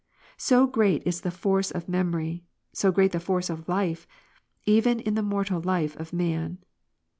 So great is the force of memory, so great the force of life, even in the mortal life of man.